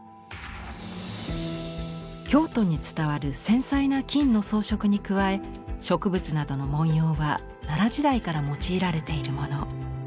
京都に伝わる繊細な金の装飾に加え植物などの文様は奈良時代から用いられているもの。